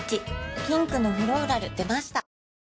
ピンクのフローラル出ました